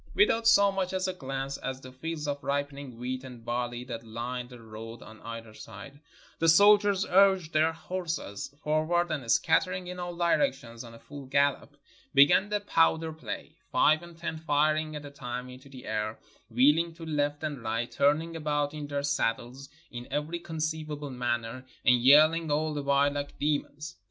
Without so much as a glance at the fields of ripening wheat and barley that lined the road on either side, the soldiers urged their horses forward, and scattering in all directions on a full gallop, began the powder play, five and ten firing at a time into the air, wheeling to left and right, turning about in their saddles in every conceivable manner, and yelhng all the while like demons.